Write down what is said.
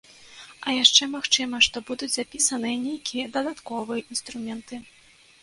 А яшчэ магчыма, што будуць запісаныя нейкія дадатковыя інструменты.